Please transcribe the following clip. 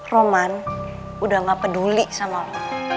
roman udah gak peduli sama lo